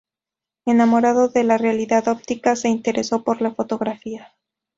Enamorado de la realidad óptica, se interesó por la fotografía.